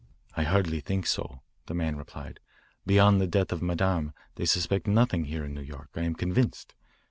"I hardly think so," the man replied. "Beyond the death of Madame they suspect nothing here in New York, I am convinced.